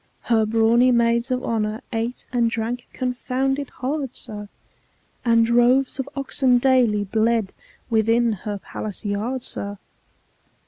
Her brawny maids of honour ate and drank confounded hard, sir, And droves of oxen daily bled within her palace yard, sir!